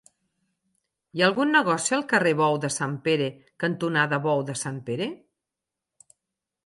Hi ha algun negoci al carrer Bou de Sant Pere cantonada Bou de Sant Pere?